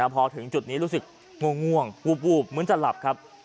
พอถึงจุดนี้รู้สึกง่วงวูบเหมือนจะหลับครับ